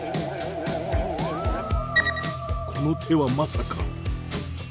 この手はまさか。